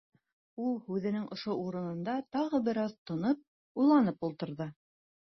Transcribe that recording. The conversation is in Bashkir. Ул һүҙенең ошо урынында тағы бер аҙ тынып, уйланып ултырҙы.